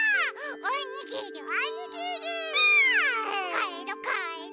かえろかえろ！